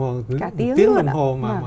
một tiếng đồng hồ mà